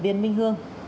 biên tập biên minh hương